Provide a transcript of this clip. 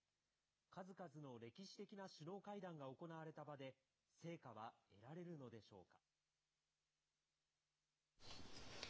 数々の歴史的な首脳会談が行われた場で、成果は得られるのでしょうか。